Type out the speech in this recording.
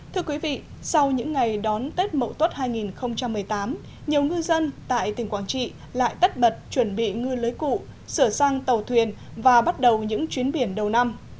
thưa quý vị sau những ngày đón tết mậu tuất hai nghìn một mươi tám nhiều ngư dân tại tỉnh quảng trị lại tất bật chuẩn bị ngư lưới cụ sửa sang tàu thuyền và bắt đầu những chuyến biển đầu năm